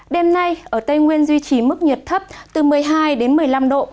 đêm nay ở tây nguyên duy trì mức nhiệt thấp từ một mươi hai đến một mươi năm độ